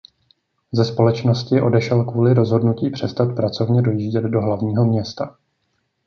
Ze společnosti odešel kvůli rozhodnutí přestat pracovně dojíždět do hlavního města.